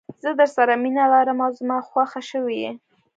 زه درسره مینه لرم او زما خوښه شوي یې.